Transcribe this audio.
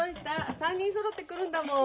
３人そろって来るんだもん。